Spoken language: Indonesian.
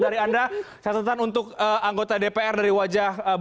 dari anda saya tetan untuk anggota dpr dari wajah